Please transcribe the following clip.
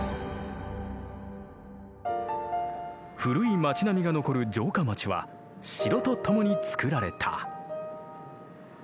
古い町並みが残る城下町は城とともにつくられた。